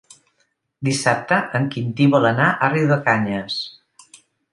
Dissabte en Quintí vol anar a Riudecanyes.